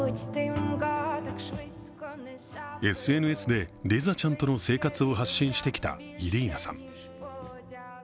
ＳＮＳでリザちゃんとの生活を発信してきたイリーナさん。